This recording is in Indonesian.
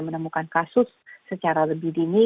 menemukan kasus secara lebih dini